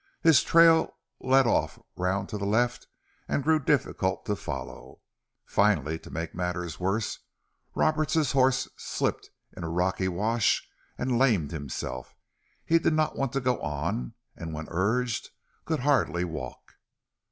His trail led off round to the left and grew difficult to follow. Finally, to make matters worse, Roberts's horse slipped in a rocky wash and lamed himself. He did not want to go on, and, when urged, could hardly walk.